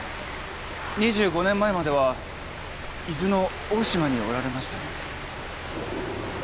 ２５年前までは伊豆の大島におられましたね？